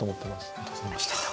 ありがとうございます。